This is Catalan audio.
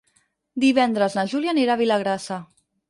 Divendres na Júlia anirà a Vilagrassa.